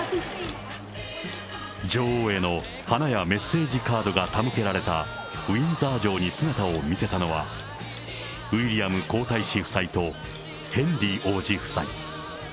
女王への花やメッセージカードが手向けられたウィンザー城に姿を見せたのは、ウィリアム皇太子夫妻とヘンリー王子夫妻。